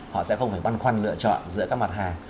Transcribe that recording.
họ sẽ không phải băn khoăn lựa chọn giữa các mặt hàng